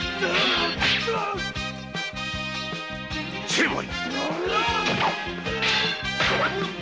成敗！